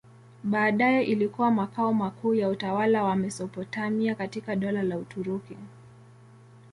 Baadaye ilikuwa makao makuu ya utawala wa Mesopotamia katika Dola la Uturuki.